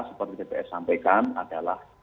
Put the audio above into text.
seperti dbs sampaikan adalah